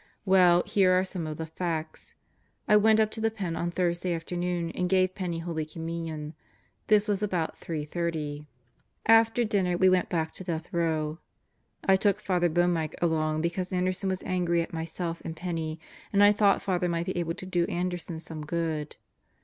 Well, here are some of the facts. I went up to the Pen on Thursday afternoon and gave Penney Holy Communion. This was about 3:30. ... After dinner we went back to Death Row. ... I took Father Boehmicke along because Anderson was angry at myself and Penney, and I thought Father might be able to do Anderson some good.